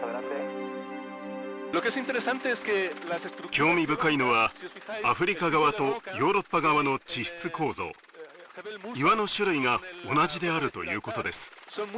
興味深いのはアフリカ側とヨーロッパ側の地質構造岩の種類が同じであるということです。